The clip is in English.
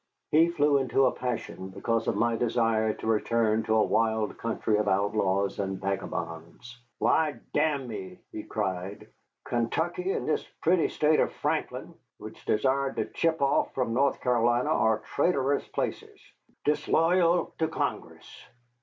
He flew into a passion because of my desire to return to a wild country of outlaws and vagabonds. "Why, damme," he cried, "Kentucky and this pretty State of Franklin which desired to chip off from North Carolina are traitorous places. Disloyal to Congress!